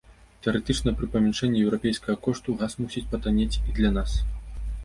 Тэарэтычна пры памяншэнні еўрапейскага кошту, газ мусіць патаннець і для нас.